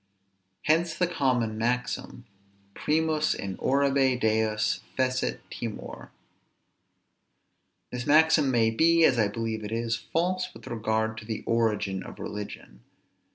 Hence the common maxim, Primus in orbe deos fecit timor. This maxim may be, as I believe it is, false with regard to the origin of religion.